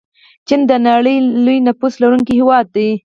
چین د نړۍ لوی نفوس لرونکی هیواد دی.